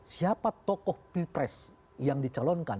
siapa tokoh pilpres yang dicalonkan